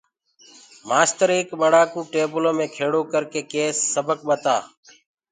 مآستر ايڪ ٻڙآ ڪو ٽيبلو مي کِيڙو ڪرڪي ڪيس سبڪ ٻتآ